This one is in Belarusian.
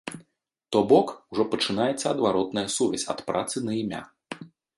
То бок, ужо пачынаецца адваротная сувязь ад працы на імя.